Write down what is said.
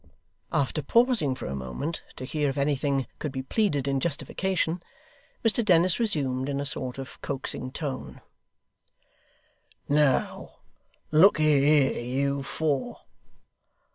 After pausing for a moment to hear if anything could be pleaded in justification, Mr Dennis resumed in a sort of coaxing tone: 'Now look'ee here, you four.